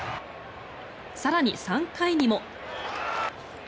更に、３回にも。